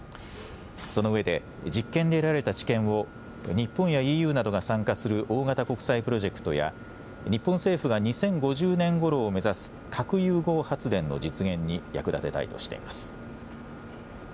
そのうえで実験で得られた知見を日本やＥＵなどが参加する大型国際プロジェクトや日本政府が２０５０年ごろを目指す核融合発電の実現に役立てたいとしています。